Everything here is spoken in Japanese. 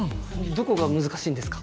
どこが難しいんですか？